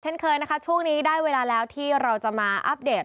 เช่นเคยนะคะช่วงนี้ได้เวลาแล้วที่เราจะมาอัปเดต